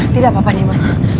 tidak apa apa nih mas